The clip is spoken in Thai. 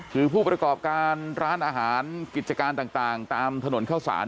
คือผู้ประกอบการร้านอาหารกิจการต่างตามถนนเข้าสาร